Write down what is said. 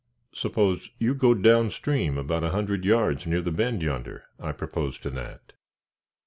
"Suppose you go down stream about a hundred yards near the bend yonder," I proposed to Nat.